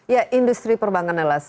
ya industri perbankan alas